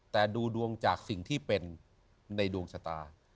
แต่ดูดวงจากสิ่งที่เป็นในดวงชะตา